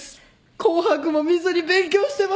『紅白』も見ずに勉強してました！